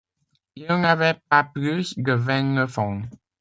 Il n'avait pas plus de vingt-neuf ans.